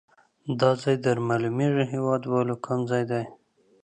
دا ځای در معلومیږي هیواد والو کوم ځای ده؟